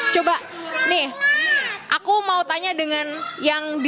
coba nih aku mau tanya dengan yang di